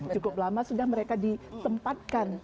cukup lama sudah mereka ditempatkan